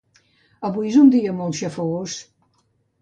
Avui és un dia molt xafogós